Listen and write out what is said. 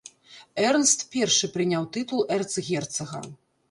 Эрнст першы прыняў тытул эрцгерцага.